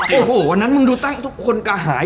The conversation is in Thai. โอ้โหวันนั้นมึงดูตั้งทุกคนกระหาย